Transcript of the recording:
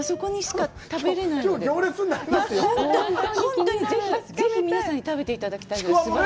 本当にぜひ皆さん、食べていただきたいです。